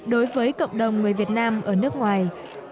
đối với cộng đồng người việt nam ở nước ngoài